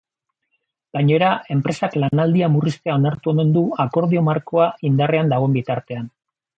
Gainera, enpresak lanaldia murriztea onartu omen du akordio markoa indarrean dagoen bitartean.